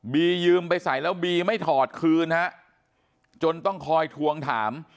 ยืมไปใส่แล้วบีไม่ถอดคืนฮะจนต้องคอยทวงถาม